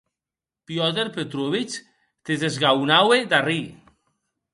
Piotr Petrovitch se desgahonaue d’arrir.